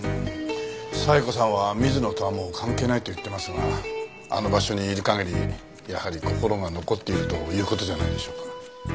冴子さんは水野とはもう関係ないと言ってますがあの場所にいる限りやはり心が残っているという事じゃないでしょうか。